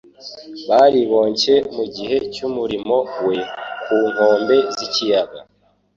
bariboncye mu gihe cy'umurimo we ku nkombe z'ikiyaga